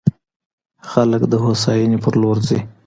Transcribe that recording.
خلګ د هوساینې په لور ځي.